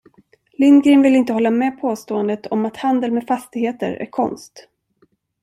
Lindgren ville inte hålla med påståendet om att handel med fastigheter är konst.